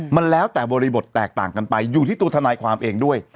มันแล้วแต่บริบทแตกต่างกันไปอยู่ที่ตัวทนายความเองด้วย